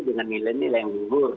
dengan nilai nilai yang luhur